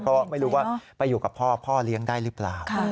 เพราะไม่รู้ว่าไปอยู่กับพ่อพ่อเลี้ยงได้หรือเปล่า